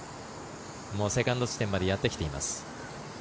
セカンド地点までやってきています。